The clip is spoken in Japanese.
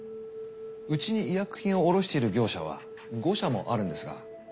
うちに医薬品を卸している業者は５社もあるんですが